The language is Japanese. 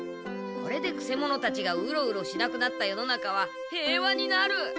これでくせ者たちがウロウロしなくなった世の中は平和になる！